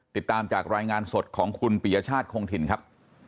ติดตามจากรายงานสดของคุณปียชาติคงถิ่นครับ